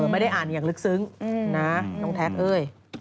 ไม่ได้อ่านอย่างลึกซึ้งนะน้องแท็กเอ้ย